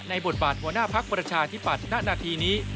ในบทบาทหัวหน้าภักร์ประชาที่ปัดหน้านาทีนี้